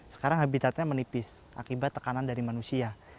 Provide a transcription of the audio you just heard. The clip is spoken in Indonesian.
sekarang habitatnya menipis akibat tekanan dari manusia